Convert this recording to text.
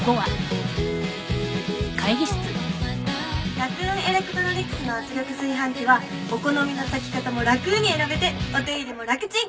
ラクーン・エレクトロニクスの圧力炊飯器はお好みの炊き方も楽に選べてお手入れも楽ちん。